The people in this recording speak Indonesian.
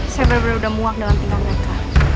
saya bener bener udah muak dalam tinggal mereka